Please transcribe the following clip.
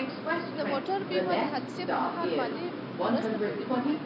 د موټر بیمه د حادثې پر مهال مالي مرسته کوي.